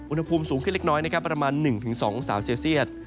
อุณหภูมิสูงขึ้นเล็กประมาณ๑๒องศาเซลเซียต